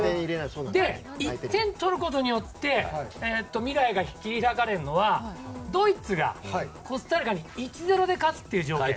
１点取ることによって未来が切り開かれるのはドイツがコスタリカに１−０で勝つっていう条件。